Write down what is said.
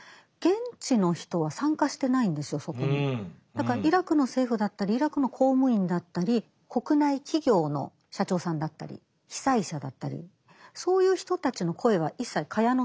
だからイラクの政府だったりイラクの公務員だったり国内企業の社長さんだったり被災者だったりそういう人たちの声は一切蚊帳の外なので。